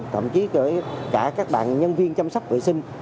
thậm chí kể cả các bạn nhân viên chăm sóc vệ sinh